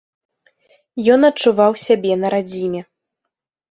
Ён адчуваў сябе на радзіме.